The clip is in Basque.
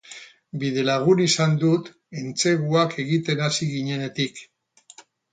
Bidelagun izan dut, entseguak egiten hasi ginenetik.